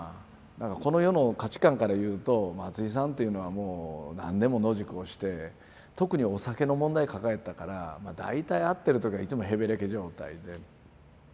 この世の価値観からいうと松井さんっていうのはもう何年も野宿をして特にお酒の問題抱えてたから大体会ってる時はいつもへべれけ状態で。